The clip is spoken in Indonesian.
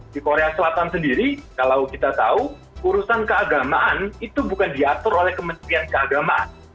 di korea selatan sendiri kalau kita tahu urusan keagamaan itu bukan diatur oleh kementerian keagamaan